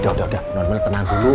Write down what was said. udah udah non mel tenang dulu